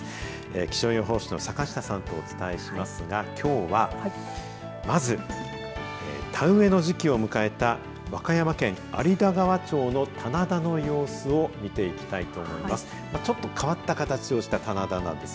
気象予報士の坂下さんとお伝えしますがきょうは、まず田植えの時期を迎えた和歌山県有田川町の棚田の様子を見ていきたいと思います。